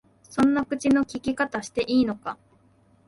そんな口の利き方していいのか？